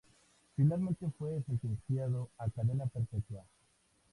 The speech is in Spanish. Finalmente fue sentenciado a cadena perpetua.